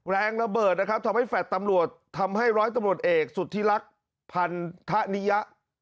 แรงระเบิดนะครับทำให้แฟลต์ตำรวจทำให้ร้อยตำรวจเอกสุธิรักษ์พันธนิยะ